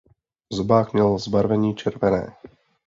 Zobák měl zbarvení červené.